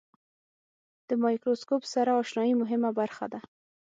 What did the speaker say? د مایکروسکوپ سره آشنایي مهمه برخه ده.